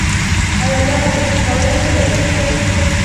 آیا دغه پېښه کولی شئ توضیح کړئ؟